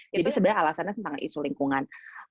jadi sebenarnya alasannya tentang itu lingkungan